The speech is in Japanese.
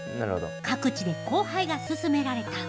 各地で交配が進められた。